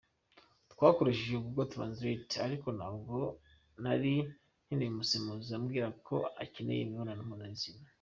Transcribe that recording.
Twakoresheje Google Translate ariko ntabwo nari nkeneye umusemuzi umbwira ko akeneye imibonano mpuzabitsina.